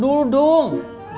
taruh gue ya